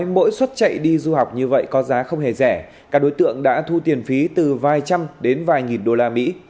mỗi suất chạy đi du học như vậy có giá không hề rẻ các đối tượng đã thu tiền phí từ vài trăm đến vài nghìn đô la mỹ